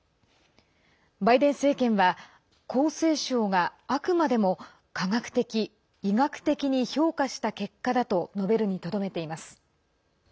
バイデン政権は厚生省が、あくまでも科学的医学的に評価した結果だと述べるにとどめています。